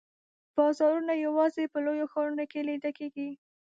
بازارونه یوازي په لویو ښارونو کې لیده کیږي.